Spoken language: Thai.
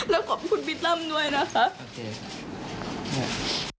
แล้วก็ขอบคุณบิ๊ดล่ำด้วยนะครับ